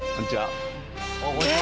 ああこんにちは。